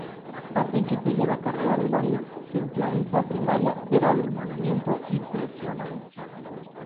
A principios de la carrera de Dalí, su influencia primaria era del movimiento impresionista.